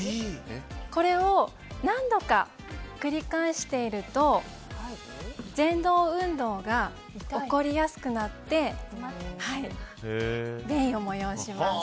これを何度か繰り返しているとぜん動運動が起こりやすくなって便意を催します。